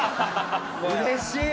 うれしい！